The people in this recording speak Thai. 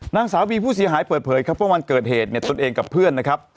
นางสาวบีผู้เสียหายเปิดเผยครับว่าวันเกิดเหตุเนี่ยตนเองกับเพื่อนนะครับ